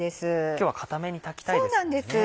今日は硬めに炊きたいですもんね。